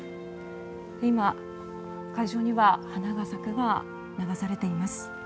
今、会場には「花は咲く」が流されています。